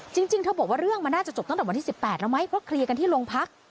จริงเธอบอกว่าเรื่องมันน่าจะจบตั้งแต่วันที่๑๘แล้วมั้งเพราะเคลียร์กันที่โรงพัก